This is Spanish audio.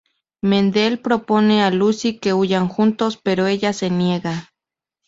Mendel propone a Lucy que huyan juntos pero ella se niega.